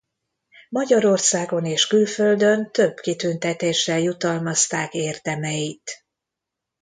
Magyarországon és külföldön több kitüntetéssel jutalmazták érdemeit.